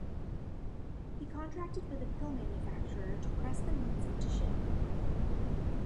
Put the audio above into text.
He contracted with a pill manufacturer to press the mints into shape.